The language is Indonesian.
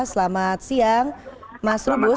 selamat siang mas trubus